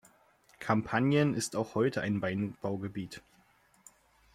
Kampanien ist auch heute ein Weinbaugebiet.